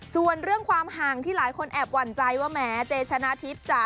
ส่วนเรื่องความห่างที่หลายคนแอบหวั่นใจว่าแม้เจชนะทิพย์จะ